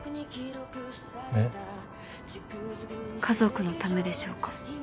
家族のためでしょうか。